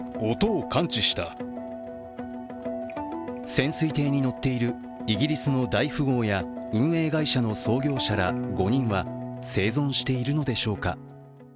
潜水艇に乗っているイギリスの大富豪や運営会社の創業者ら５人は生存しているのでしょうか。